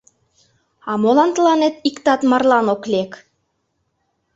А молан тыланет иктат марлан ок лек?